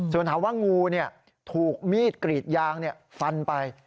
ส่วนถามว่างูถูกมีดกรีดยางฟันไป